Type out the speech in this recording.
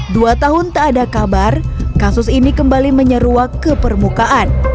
dua tahun tak ada kabar kasus ini kembali menyeruak ke permukaan